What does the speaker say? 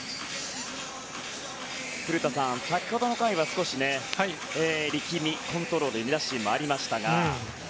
古田さん、先ほどの回は少し力みやコントロールを乱すシーンもありましたが。